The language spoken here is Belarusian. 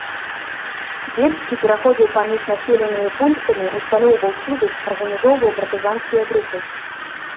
Бельскі пераходзіў паміж населенымі пунктамі, усталёўваў сувязь, арганізоўваў партызанскія групы.